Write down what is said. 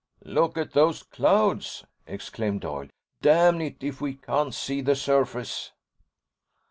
"Look at those clouds!" exclaimed Doyle. "Damn it, we can't see the surface."